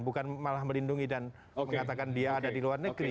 bukan malah melindungi dan mengatakan dia ada di luar negeri